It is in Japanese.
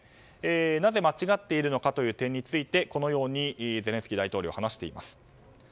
なぜ間違っているのかという点について、このようにゼレンスキー大統領は話しています。